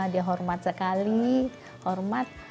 dia hormat sekali hormat